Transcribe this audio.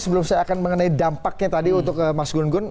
sebelum saya akan mengenai dampaknya tadi untuk mas gun gun